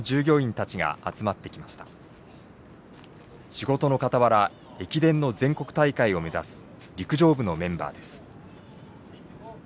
仕事のかたわら駅伝の全国大会を目指す陸上部のメンバーです。